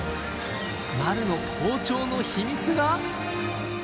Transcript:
丸の好調の秘密が。